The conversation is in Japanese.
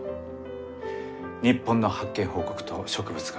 日本の発見報告と植物画。